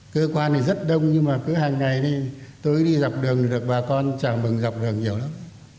cơ quan này rất đông nhưng mà cứ hàng ngày đi tối đi dọc đường được bà con chào mừng dọc đường nhiều lắm